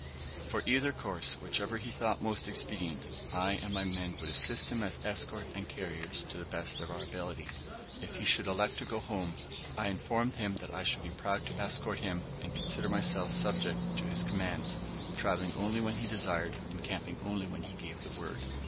For either course, whichever he thought most expedient, I and my men would assist him as escort and carriers, to the best of our ability. If he should elect to go home, I informed him I should be proud to escort him, and consider myself subject to his commands travelling only when he desired, and camping only when he gave the word.